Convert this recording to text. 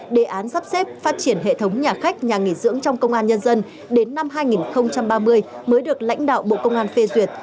đề án sắp xếp phát triển hệ thống nhà khách nhà nghỉ dưỡng trong công an nhân dân đến năm hai nghìn ba mươi mới được lãnh đạo bộ công an phê duyệt